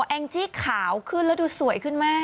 แองจี้ขาวขึ้นแล้วดูสวยขึ้นมาก